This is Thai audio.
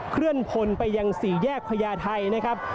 เคลื่อนพลไปยังสี่แยกพญาไทยนะครับ